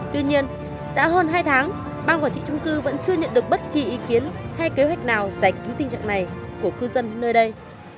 tuy nhiên đã hơn hai tháng ban quản trị trung cư vẫn chưa nhận được bất kỳ ý kiến hay kế hoạch nào giải cứu tình trạng này của cư dân nơi đây